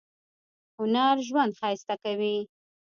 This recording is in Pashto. هنر ژوند ښایسته کوي